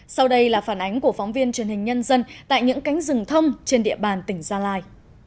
sau đây là phản ánh của phóng viên truyền hình nhân dân tại những cánh rừng thông trên địa bàn tỉnh gia lai